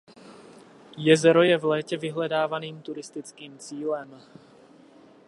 Jezero je v létě vyhledávaným turistickým cílem.